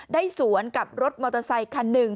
สวนกับรถมอเตอร์ไซคันหนึ่ง